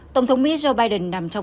tổng thống mỹ joe biden nói rằng